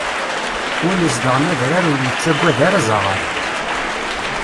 Win izedɣen adrar ur yettagad ara azaɣar.